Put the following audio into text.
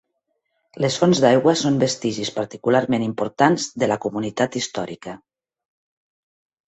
Les fonts d'aigua són vestigis particularment importants de la comunitat històrica.